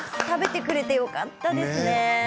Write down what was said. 食べてくれてよかったですね。